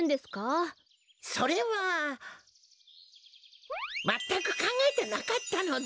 それはまったくかんがえてなかったのだ。